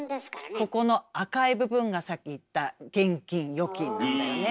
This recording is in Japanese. ここの赤い部分がさっき言った現金・預金なんだよね。